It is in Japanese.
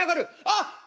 あっ！